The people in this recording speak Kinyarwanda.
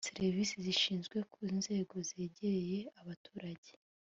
serivisi zishyirwe ku nzego zegereye abaturage